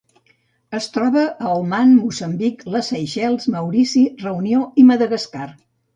Es troba a Oman, Moçambic, les Seychelles, Maurici, Reunió i Madagascar.